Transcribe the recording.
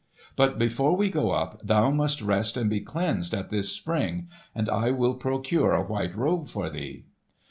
But before we go up, thou must rest and be cleansed at this spring; and I will procure a white robe for thee."